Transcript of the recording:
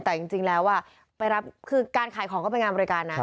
แต่จริงแล้วไปรับคือการขายของก็เป็นงานบริการนะ